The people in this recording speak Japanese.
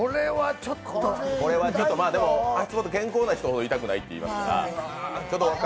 足つぼって健康な人ほど痛くないといいますから。